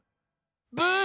ブー！